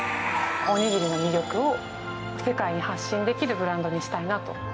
おにぎりの魅力を世界に発信できるブランドにしたいなと思っています。